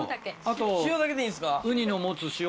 塩だけでいいんですか。